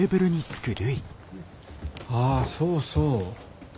ああそうそう。